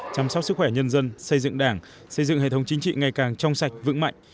chăm sóc sức khỏe nhân dân xây dựng đảng xây dựng hệ thống chính trị ngày càng trong sạch vững mạnh